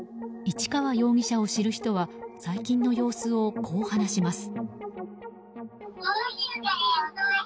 市川容疑者を知る人は最近の様子をこう話します。